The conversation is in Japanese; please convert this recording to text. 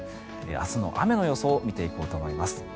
明日の雨の予想を見ていこうと思います。